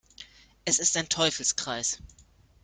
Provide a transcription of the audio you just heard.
Es ist ein Teufelskreis.